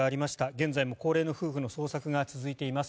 現在も高齢の夫婦の捜索が続いています。